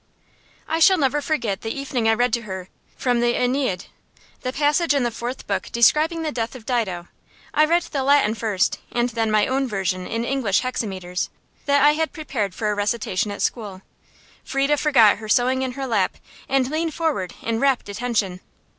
I shall never forget the evening I read to her, from the "Æneid," the passage in the fourth book describing the death of Dido. I read the Latin first, and then my own version in English hexameters, that I had prepared for a recitation at school. Frieda forgot her sewing in her lap, and leaned forward in rapt attention.